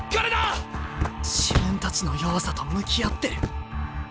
自分たちの弱さと向き合ってる。